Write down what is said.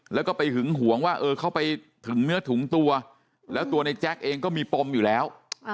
แล้วก็ไปหึงหวงว่าเออเข้าไปถึงเนื้อถุงตัวแล้วตัวในแจ๊กเองก็มีปมอยู่แล้ว